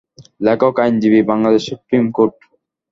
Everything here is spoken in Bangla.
লেখক আইনজীবী, বাংলাদেশ সুপ্রিম কোর্ট।